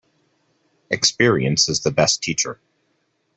Experience is the best teacher.